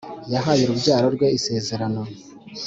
Yayahe urubyaro rwe isezerano